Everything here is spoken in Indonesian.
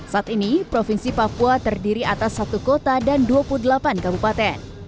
saat ini provinsi papua terdiri atas satu kota dan dua puluh delapan kabupaten